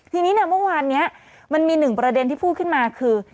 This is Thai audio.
ทีนี้เนี่ยเมื่อวานนี้มันมีหนึ่งประเด็นที่พูดขึ้นมาคือ